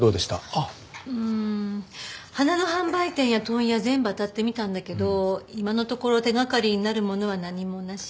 花の販売店や問屋全部あたってみたんだけど今のところ手掛かりになるものは何もなし。